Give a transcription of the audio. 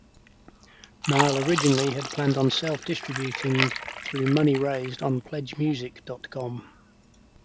Nile originally had planned on self-distributing through money raised on PledgeMusic dot com.